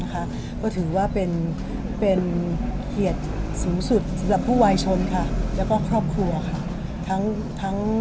ก็ถือว่าเป็นเกียรติสูงสุดสำหรับผู้วายชนค่ะแล้วก็ครอบครัวค่ะ